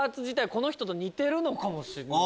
この人と似てるのかもしれない。